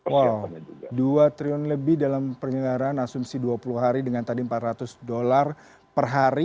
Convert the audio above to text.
wow dua triliun lebih dalam penyelenggaraan asumsi dua puluh hari dengan tadi empat ratus dolar per hari